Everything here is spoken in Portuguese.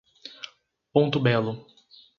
Ponto Belo